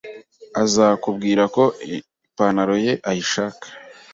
Azakubwira ko ipantalo ye ayishaka